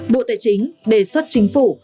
bộ tài chính đề xuất chính phủ